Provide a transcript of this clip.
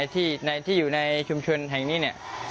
ที่อยู่ในชุมชนแห่งนี้เนี่ย